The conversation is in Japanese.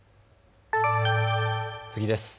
次です。